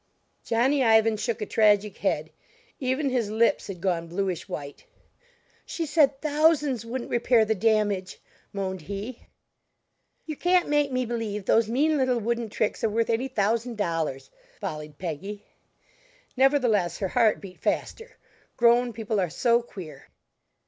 Johnny Ivan shook a tragic head; even his lips had gone bluish white. "She said thousands wouldn't repair the damage," moaned he. "You can't make me believe those mean little wooden tricks are worth any thousand dollars!" volleyed Peggy; nevertheless, her heart beat faster, grown people are so queer.